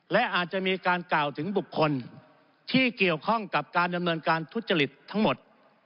และอาจจะมีการกล่าวถึงบุคคลที่เกี่ยวข้องกับการดำเนินการทุจริตทั้งหมด